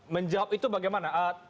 menjawab itu bagaimana